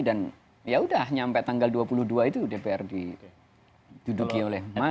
dan ya sudah sampai tanggal dua puluh dua itu dpr diduduki oleh mas